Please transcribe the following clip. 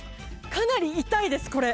かなり痛いです、これ。